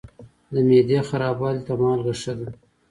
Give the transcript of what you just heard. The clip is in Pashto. د معدې خرابوالي ته مالګه ښه ده.